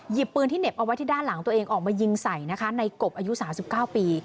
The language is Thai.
ปืนที่เหน็บเอาไว้ที่ด้านหลังตัวเองออกมายิงใส่นะคะในกบอายุ๓๙ปี